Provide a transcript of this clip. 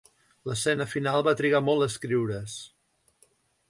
L'escena final va trigar molt a escriure's.